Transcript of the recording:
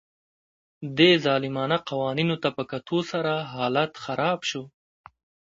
دې ظالمانه قوانینو ته په کتو سره حالت خراب شو